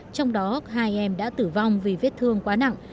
trong đó hai em đã tử vong vì vết thương quá nặng